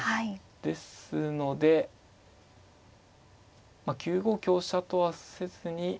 ですので９五香車とはせずに何か駒を。